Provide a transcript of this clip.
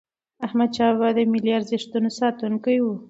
احمدشاه بابا د ملي ارزښتونو ساتونکی و.